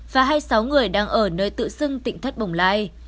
và hai mươi sáu người đang ở nơi tự xưng tỉnh thất bồng lai